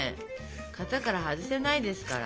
型から外せないですから。